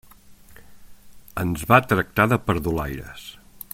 Ens va tractar de perdulaires.